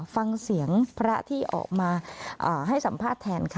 ฟังเสียงพระที่ออกมาให้สัมภาษณ์แทนค่ะ